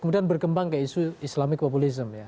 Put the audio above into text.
kemudian bergembang kayak isu islamic populism ya